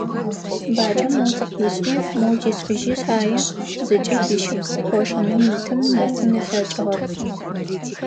Баджэм моу зыкъишӀи, моу зишӀыжьи шъхьае, зыкӀи лыщыпс къошыным итым нэсын ылъэкӀыгъэп.